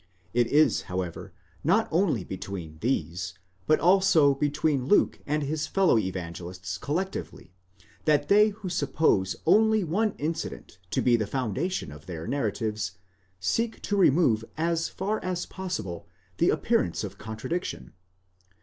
It is, however, not only between these, but also between Luke and his fellow Evangelists collectively, that they who suppose only one incident to be the foundation of their narratives, seek to remove as far as possible the appearance of contradiction.